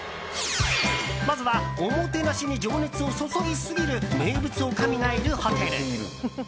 まずは、おもてなしに情熱を注ぎすぎる名物おかみがいるホテル。